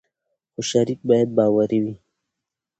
خو شریک باید باوري وي.